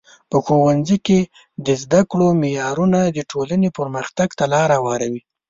په ښوونځیو کې د زده کړو معیارونه د ټولنې پرمختګ ته لار هواروي.